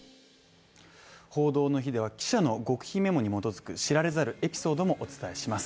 報道の日では記者の極秘メモに基づく知られざるエピソードもお伝えします